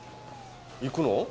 行くの？